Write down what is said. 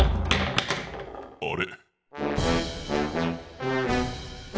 あれ？